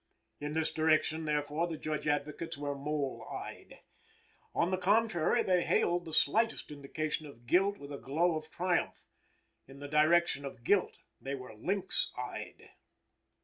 In this direction, therefore, the Judge Advocates were mole eyed. On the contrary, they hailed the slightest indication of guilt with a glow of triumph. In the direction of guilt, they were lynx eyed.